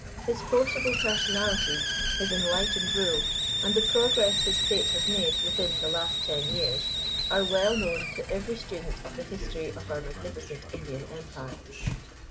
His forcible personality, his enlightened rule, and the progress his state has made within the last ten years, are well known to every student of the history of our magnificent Indian Empire.